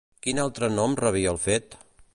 Quin altre nom rebia el fet?